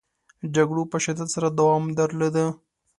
جګړو په شدت سره دوام درلوده.